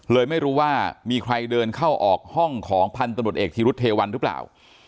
เลยไม่รู้ว่ามีใครเดินเข้าออกห้องของพันธบทเอกธีรุธเทวันหรือเปล่า